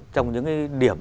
trong những điểm